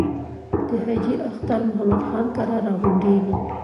د حاجي اختر محمد خان کره را غونډېږي.